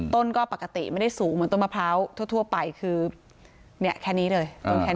ต้นก็ปกติไม่ได้สูงเหมือนต้นมะพร้าวทั่วไปคือเนี่ยแค่นี้เลยต้นแขน